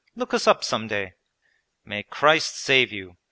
Look us up some day.' 'May Christ save you!